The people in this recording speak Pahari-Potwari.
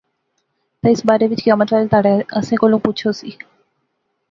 تہ اس بارے وچ قیامت والے تہاڑے آنسیں کولا پچھ ہوسی